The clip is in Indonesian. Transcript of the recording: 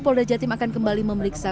polisi juga telah mempelajarinya